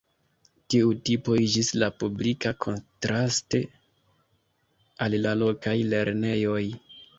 Tiu tipo iĝis la publika kontraste al la lokaj lernejoj.